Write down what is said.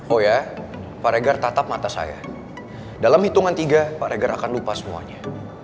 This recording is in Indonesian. oh ya pak regar tatap mata saya dalam hitungan tiga pak regar akan lupa semuanya